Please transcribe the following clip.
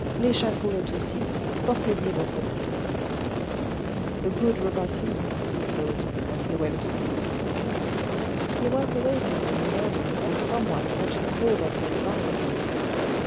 L'echafaud Test aussi : portez y votre tete. " A good repartee " he thought, as he went to sleep. He was awakened in the morning by someone catching hold of him violently.